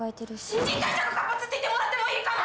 新陳代謝が活発って言ってもらってもいいかな！